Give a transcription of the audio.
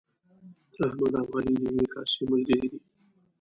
احمد او علي د یوې کاسې ملګري دي.